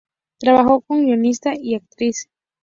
Trabajó como guionista y actriz.